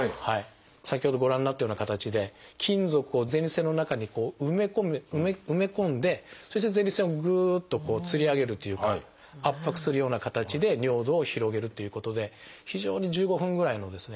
先ほどご覧になったような形で金属を前立腺の中に埋め込んでそして前立腺をぐっと吊り上げるというか圧迫するような形で尿道を広げるということで非常に１５分ぐらいのですね